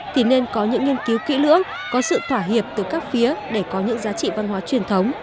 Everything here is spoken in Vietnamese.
thì nên có những nghiên cứu kỹ lưỡng có sự thỏa hiệp từ các phía để có những giá trị văn hóa truyền thống